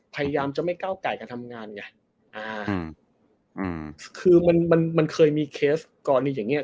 พยายามจะไม่ก้าวไก่การทำงานไงอ่าอืมคือมันมันเคยมีเคสกรณีอย่างเงี้